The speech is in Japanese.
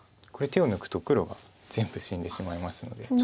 これ手を抜くと黒が全部死んでしまいますので。